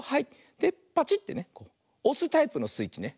パチッてねおすタイプのスイッチね。